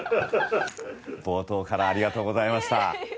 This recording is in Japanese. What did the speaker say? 冒頭からありがとうございました。